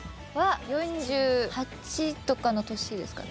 ４８とかの年ですかね。